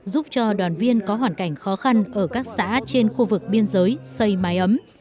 giúp cho đoàn viên có hoàn cảnh khó khăn ở các xã trên khu vực biên giới xây mái ấm